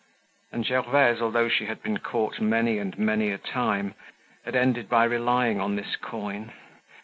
And Gervaise, although she had been caught many and many a time, had ended by relying on this coin.